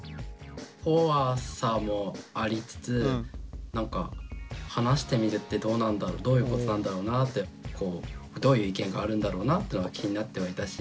怖さもありつつなんか話してみるってどうなんだろうどういうことなんだろうなってどういう意見があるんだろうなっていうのは気になってはいたし。